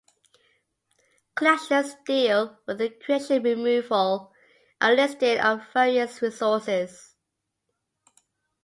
Collections deal with the creation, removal, and listing of various resources.